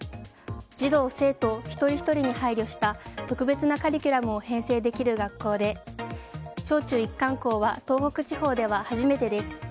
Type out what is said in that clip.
児童・生徒一人ひとりに配慮した特別なカリキュラムを編成できる学校で小中一貫校は東北地方では初めてです。